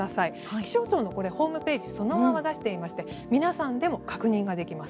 気象庁のホームページをそのまま出していまして皆さんでも確認できます。